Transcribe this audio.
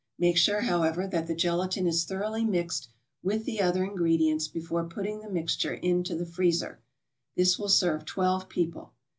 Make sure, however, that the gelatin is thoroughly mixed with the other ingredients before putting the mixture into the freezer. This will serve twelve people.